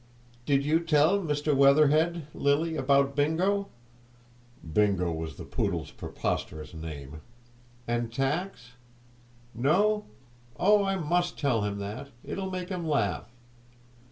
"Did you tell Mr. Weatherhead, Lily, about Bingo" (Bingo was the poodle's preposterous name) "and Tacks? No? Oh, I must tell him that; it'll make him laugh.